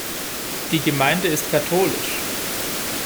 Die Gemeinde ist katholisch.